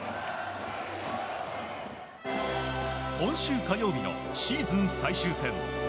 今週火曜日のシーズン最終戦。